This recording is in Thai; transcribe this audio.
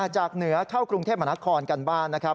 จากเหนือเข้ากรุงเทพมณฑกันบ้านนะครับ